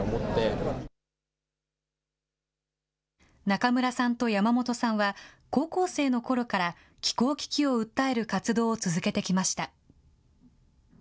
中村さんと山本さんは、高校生のころから気候危機を訴える活動を続けてきました。